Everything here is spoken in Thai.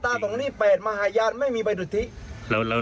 มหาญาณตรงนี้๘มหาญาณไม่มีบัตรทุทธิ